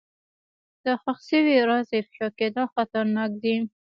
د ښخ شوي راز افشا کېدل خطرناک دي.